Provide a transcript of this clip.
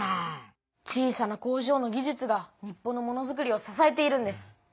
小さな工場の技術が日本のものづくりを支えているんです。